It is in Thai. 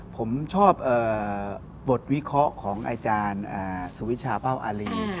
ผมชอบบทวิเคราะห์ของอาจารย์สุวิชาเป้าอารี